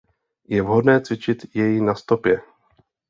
Je vhodné cvičit jej na stopě.